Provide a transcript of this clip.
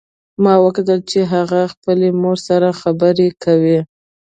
ما وکتل چې هغه خپلې مور سره خبرې کوي